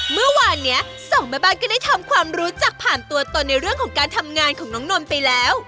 เมื่อวานนี้สองแม่บ้านก็ได้ทำความรู้จักผ่านตัวตนในเรื่องของการทำงานของน้องนนท์ไปแล้ว